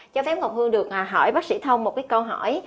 cháu phép ngọc hương được hỏi bác sĩ thông một câu hỏi